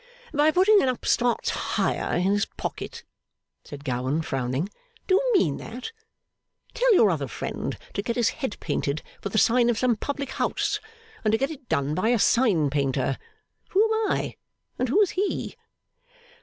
'By putting an upstart's hire in his pocket?' said Gowan, frowning. 'Do you mean that? Tell your other friend to get his head painted for the sign of some public house, and to get it done by a sign painter. Who am I, and who is he?